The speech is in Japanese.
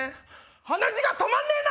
鼻血が止まんねえな！